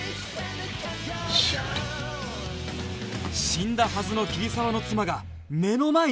死んだはずの桐沢の妻が目の前に！？